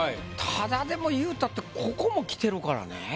ただでもいうたってここもきてるからね。